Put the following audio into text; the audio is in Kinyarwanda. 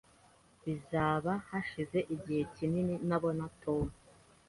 Bizaba hashize igihe kinini ntabona Tom